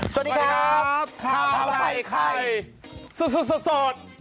สวัสดีครับข้าวไก่ไข่สดสดสดสด